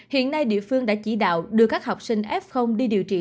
hiện nay địa phương đã chỉ đạo đưa các học sinh f đi điều trị